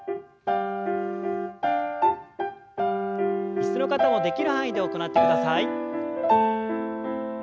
椅子の方もできる範囲で行ってください。